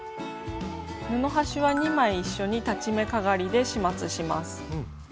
布端は２枚一緒に裁ち目かがりで始末します。